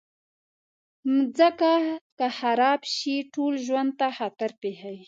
مځکه که خراب شي، ټول ژوند ته خطر پېښوي.